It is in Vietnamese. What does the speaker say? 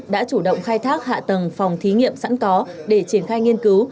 đã chủ động khai thác hạ tầng phòng thí nghiệm sẵn có để triển khai nghiên cứu